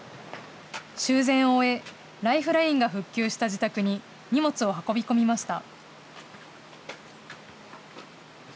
修繕を終え、ライフラインが復旧した自宅に、荷物を運び込みました。